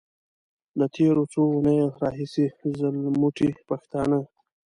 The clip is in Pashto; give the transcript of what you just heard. له تېرو څو اونيو راهيسې ځلموټي پښتانه.